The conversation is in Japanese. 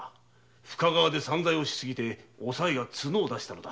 深川で散財をしすぎておさいが角を出したのだ。